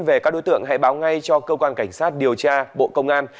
về các đối tượng hãy báo ngay cho cơ quan cảnh sát điều tra bộ công an